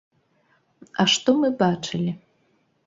А што мы бачылі?